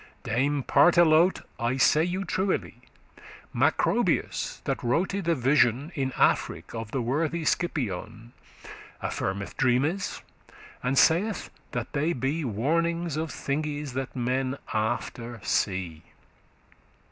Dame Partelote, I say you truely, Macrobius, that wrote the vision In Afric' of the worthy Scipion, <17> Affirmeth dreames, and saith that they be 'Warnings of thinges that men after see.